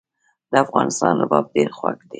د افغانستان رباب ډیر خوږ دی